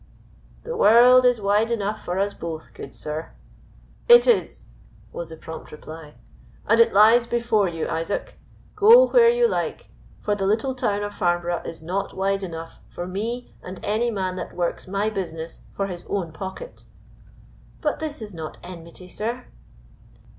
"The world is wide enough for us both, good sir " "It is!" was the prompt reply. "And it lies before you, Isaac. Go where you like, for the little town of Farnborough is not wide enough for me and any man that works my business for his own pocket " "But this is not enmity, sir."